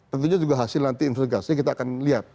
tentunya juga hasil nanti investigasi kita akan lihat